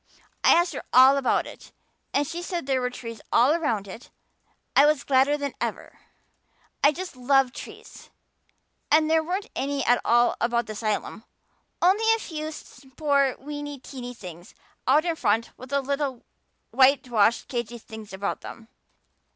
I asked her all about it. And she said there were trees all around it. I was gladder than ever. I just love trees. And there weren't any at all about the asylum, only a few poor weeny teeny things out in front with little whitewashed cagey things about them.